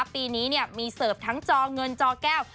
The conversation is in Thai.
ปีนี้มีเสิร์ฟทั้งจอเงินจอแก้ว